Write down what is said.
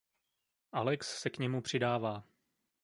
Alex se k němu přidává.